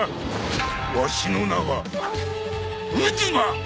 わしの名は渦磨！